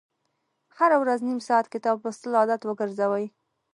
هره ورځ نیم ساعت کتاب لوستل عادت وګرځوئ.